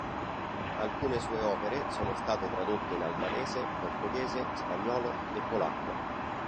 Alcune sue opere sono state tradotte in albanese, portoghese, spagnolo e polacco.